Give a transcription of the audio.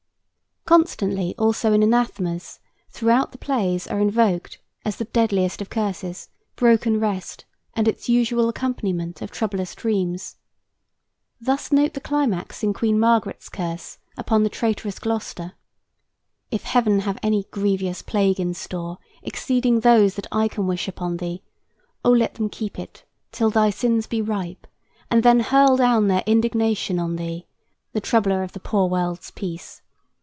Constantly also in anathemas throughout the plays are invoked, as the deadliest of curses, broken rest and its usual accompaniment of troublous dreams. Thus note the climax in Queen Margaret's curse upon the traitorous Gloster: "If Heaven have any grievous plague in store Exceeding those that I can wish upon thee, Oh, let them keep it till thy sins be ripe, And then hurl down their indignation On thee, the troubler of the poor world's peace!